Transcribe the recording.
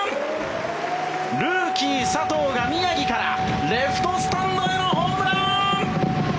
ルーキー、佐藤が宮城からレフトスタンドへのホームラン！